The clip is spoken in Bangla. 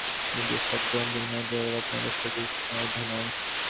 কিন্তু একঘেয়ে পড়ালেখা আর নির্দিষ্ট একটা গন্ডির মধ্যে ডেভেলপমেন্ট স্টাডিজ সীমাবদ্ধ নয়।